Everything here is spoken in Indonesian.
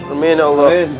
amin ya allah